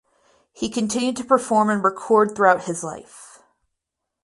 He continued to perform and record throughout his life.